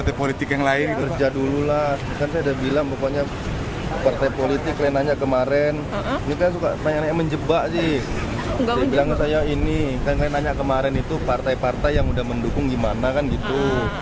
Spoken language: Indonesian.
itu partai partai yang sudah mendukung gimana kan gitu